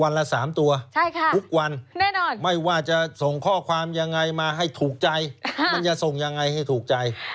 ละ๓ตัวทุกวันไม่ว่าจะส่งข้อความยังไงมาให้ถูกใจมันจะส่งยังไงให้ถูกใจ